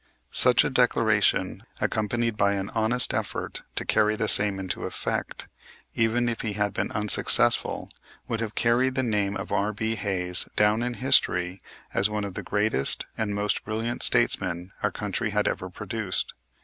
Such a declaration, accompanied by an honest effort to carry the same into effect, even if he had been unsuccessful, would have carried the name of R.B. Hayes down in history as one of the greatest and most brilliant statesmen our country had ever produced.